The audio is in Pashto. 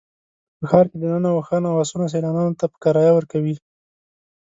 په ښار کې دننه اوښان او اسونه سیلانیانو ته په کرایه ورکوي.